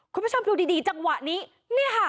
คุณผู้ชมดูดีดีจังหวะนี้เนี่ยค่ะ